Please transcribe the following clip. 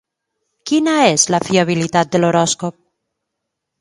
Quina és la fiabilitat de l'horòscop?